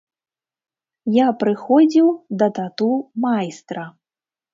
Я прыходзіў да тату-майстра.